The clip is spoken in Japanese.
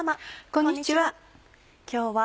こんにちは。